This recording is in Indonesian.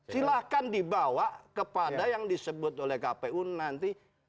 silahkan dibawa kepada yang disebut oleh kpu nanti